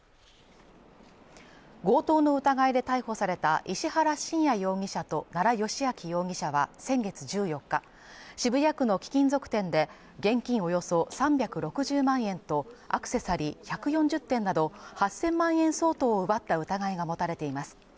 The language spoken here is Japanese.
強盗の疑いで逮捕された石原信也容疑者と奈良幸晃容疑者は先月１４日渋谷区の貴金属店で現金およそ３６０万円とアクセサリー１４０点など８０００万円相当を奪った疑いが持たれています。